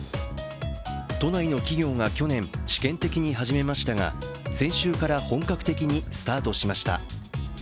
都内の企業が去年試験的に始めましたが先週から本格的にスタートしました。